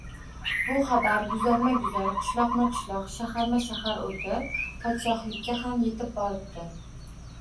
Bu xabar guzarma-guzar, qishloqma-qishloq, shaharma-shahar o‘tib, podshohlikka ham yetib boribdi